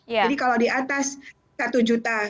jadi kalau diatas satu juta